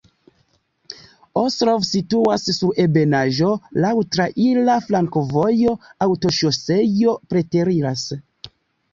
Ostrov situas sur ebenaĵo, laŭ traira flankovojo, aŭtoŝoseo preteriras.